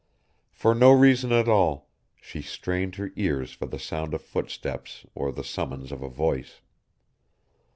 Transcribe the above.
For no reason at all, she strained her ears for the sound of footsteps or the summons of a voice.